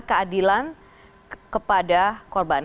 keadilan kepada korban